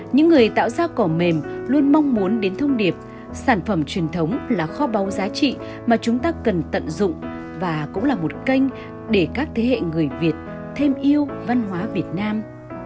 những người tạo ra cỏ mềm luôn mong muốn đến thông điệp sản phẩm truyền thống là kho báu giá trị mà chúng ta cần tận dụng và cũng là một kênh để các thế hệ người việt thêm yêu văn hóa việt nam